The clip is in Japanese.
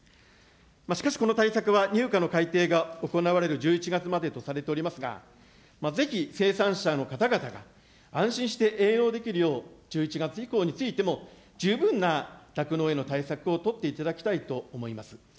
しかしこの対策は、乳価の改訂が行われる１１月までとされておりますが、ぜひ、生産者の方々が安心して営農できるよう、１１月以降についても、十分な酪農への対策を取っていただきたいと思います。